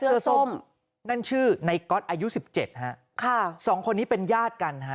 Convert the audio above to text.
เชื้อส้มนั่นชื่อไนก๊อตอายุ๑๗ค่ะสองคนนี้เป็นญาติกัน